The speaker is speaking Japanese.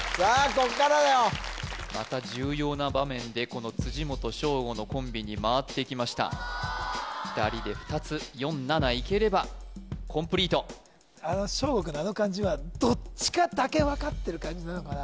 ここからよまた重要な場面でこの辻本ショーゴのコンビに回ってきました２人で２つ４７いければコンプリートショーゴ君のあの感じはどっちかだけ分かってる感じなのかな？